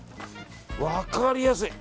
分かりやすい。